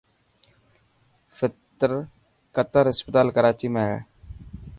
قتر اسپتال ڪراچي ۾ هي.